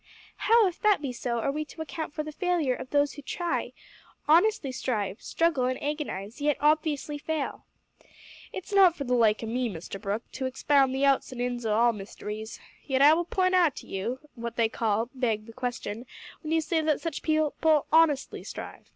"How, if that be so, are we to account for the failure of those who try, honestly strive, struggle, and agonise, yet obviously fail?" "It's not for the like o' me, Mr Brooke, to expound the outs an' ins o' all mysteries. Yet I will p'int out that you, what they call, beg the question, when you say that such people `honestly' strive.